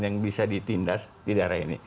yang bisa ditindas di daerah ini